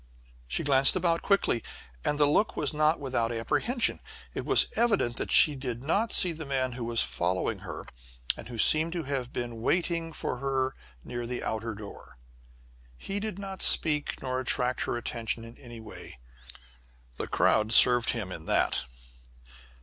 She glanced about quickly, and the look was not without apprehension. It was evident that she did not see the man who was following her, and who seemed to have been waiting for her near the outer door. He did not speak, nor attract her attention in any way. The crowd served him in that!